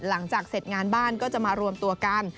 หลังจากเสร็จงานบ้านก็จะมารวมตัวกัน